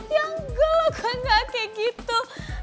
yang gelok enggak kayak gitu